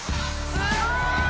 すごい！